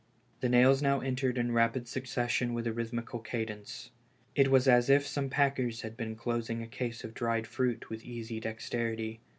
The nails now entered in rapid succession with a rhythmical cadence. It was as if some packers had been. closing a case of dried fruit with easy dexterity.